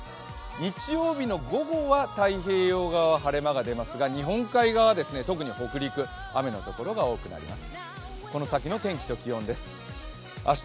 日曜日の午後は太平洋側は晴れ間は出ますが日本海側、特に北陸は雨のところが多くなります。